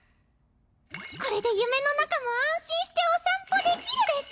これで夢の中も安心してお散歩できるです